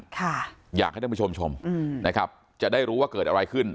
ค่ะอยากให้ท่านผู้ชมชมอืมนะครับจะได้รู้ว่าเกิดอะไรขึ้น